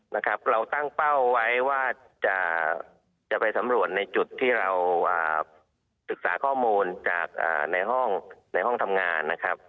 นะครับเราตั้งเป้าไว้ว่าจะไปสำรวจในจุดที่เราศึกษาข้อมูลจากในห้องในห้องทำงานนะครับ